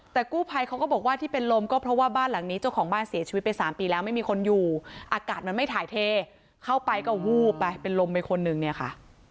แต่กู้ภัยเขาก็บอกว่าที่เป็นลมก็เพราะว่าบ้านหลังนี้เจ้าของบ้านเสียชีวิตไป๓ปีแล้วไม่มีคนอยู่อากาศมันไม่ถ่ายเทเข้าไปก็วูบไปเป็นลมไปคนนึงเนี่ยค่ะ